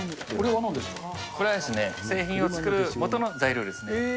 これはですね、製品を作るもとの材料ですね。